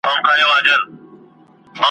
چي د زاغ په حواله سول د سروګلو درمندونه ,